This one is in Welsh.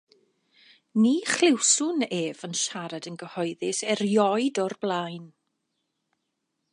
Ni chlywswn ef yn siarad yn gyhoeddus erioed o'r blaen.